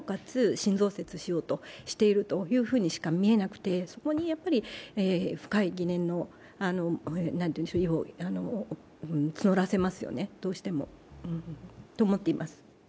新増設しようとしているとしかみえなくてそこに深い疑念を募らせますよね、どうしても、と思っています。